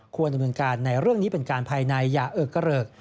ดำเนินการในเรื่องนี้เป็นการภายในอย่าเอิกกระเริก